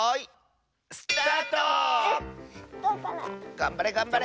がんばれがんばれ！